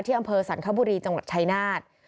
อำเภอสรรคบุรีจังหวัดชายนาฏ